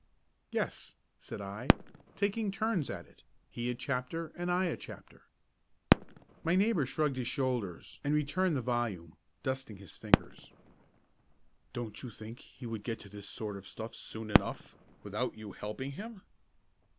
"Yes," said I; "taking turns at it, he a chapter and I a chapter." My neighbour shrugged his shoulders and returned the volume, dusting his fingers. "Don't you think he would get to this sort of stuff soon enough without you helping him?"